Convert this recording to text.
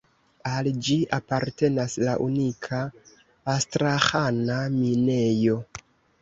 Al ĝi apartenas la unika Astraĥana minejo.